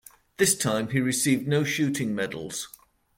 This time, he received no shooting medals.